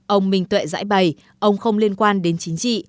ông minh tuệ giải bày ông không liên quan đến chính trị